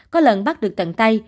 có lần bắt được tận tay